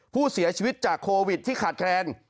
ผู้เสียชีวิตจากโควิดที่ขาดแคลน